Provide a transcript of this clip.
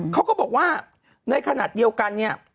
เขาก็บอกว่าในขณะเดียวกันเนี่ย